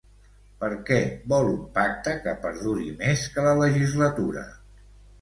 Per què vol un pacte que perduri més que la legislatura?